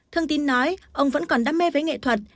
thương tín nói ông vẫn còn đam mê với nghệ thuật